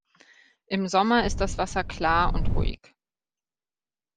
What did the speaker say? Im Sommer ist das Wasser klar und ruhig.